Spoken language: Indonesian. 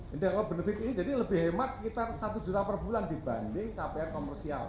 jadi kalau bener bener ini lebih hemat sekitar rp satu juta per bulan dibanding kpr komersial